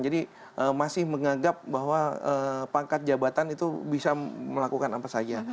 jadi masih menganggap bahwa pangkat jabatan itu bisa melakukan apa saja